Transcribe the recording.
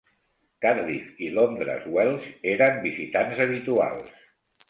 Cardiff i Londres Welsh eren visitants habituals.